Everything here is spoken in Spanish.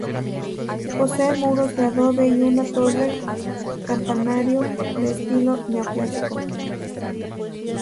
Posee muros de adobe y una torre campanario de estilo neoclásico.